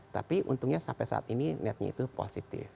tapi untungnya sampai saat ini netnya itu positif